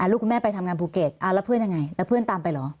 ลูกคุณแม่ไปทำงานภูเก็ตแล้วเพื่อนยังไงแล้วเพื่อนตามไปเหรอ